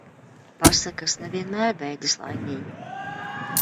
Pasakas ne vienmēr beidzas laimīgi